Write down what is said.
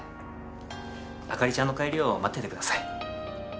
朱莉ちゃんの帰りを待っててください。